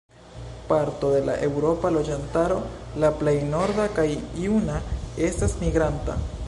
Parto de la eŭropa loĝantaro -la plej norda kaj juna- estas migranta.